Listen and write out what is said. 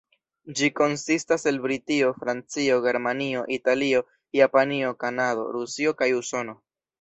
Ĝi konsistas el Britio, Francio, Germanio, Italio, Japanio, Kanado, Rusio kaj Usono.